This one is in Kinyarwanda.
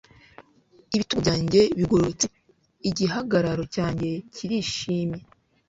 ibitugu byanjye bigororotse, igihagararo cyanjye kirishimye